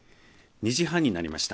２時半になりました。